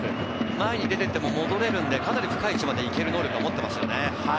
前に出ていっても戻れるんで、かなり深い位置までいける能力は持っていますよね。